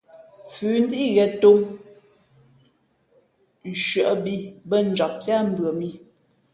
Fʉ̌ ndíʼ ghěn tōm, nshʉᾱ bī bᾱ njam píá mbʉα mǐ.